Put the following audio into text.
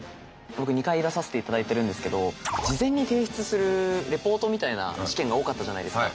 僕２回出させていただいてるんですけど事前に提出するレポートみたいな試験が多かったじゃないですか。